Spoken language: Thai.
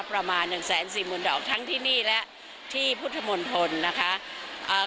ประมาณ๑แสน๔๐๐๐๐ดอกทั้งที่นี่และที่พุทธมนตร์ทนนะคะ